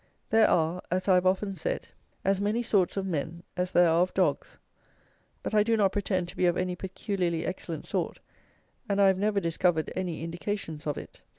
There are, as I have often said, as many sorts of men as there are of dogs; but I do not pretend to be of any peculiarly excellent sort, and I have never discovered any indications of it.